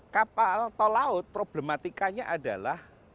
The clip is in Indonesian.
kapal tol laut problematikanya adalah